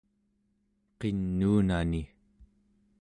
qinuunani